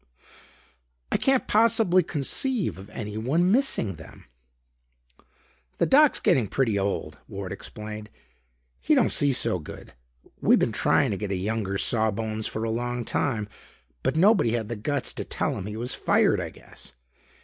"I can't possibly conceive of anyone missing them." "The Doc's getting pretty old," Ward explained. "He don't see so good. We been trying to get a younger saw bones for a long time, but nobody had the guts to tell him he was fired, I guess.